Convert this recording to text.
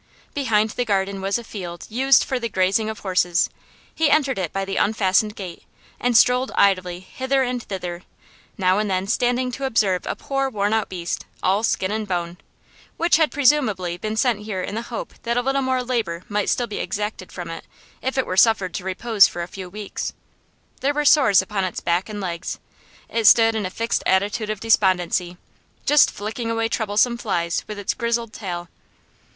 Behind the garden was a field used for the grazing of horses; he entered it by the unfastened gate, and strolled idly hither and thither, now and then standing to observe a poor worn out beast, all skin and bone, which had presumably been sent here in the hope that a little more labour might still be exacted from it if it were suffered to repose for a few weeks. There were sores upon its back and legs; it stood in a fixed attitude of despondency, just flicking away troublesome flies with its grizzled tail.